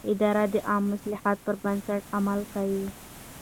اداره د عامه مصلحت پر بنسټ عمل کوي.